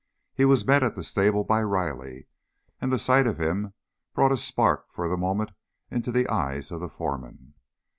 He was met at the stable by Riley, and the sight of him brought a spark for the moment into the eye of the foreman.